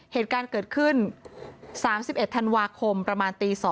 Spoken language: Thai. เหตุการณ์เกิดขึ้น๓๑ธันวาคมประมาณตี๒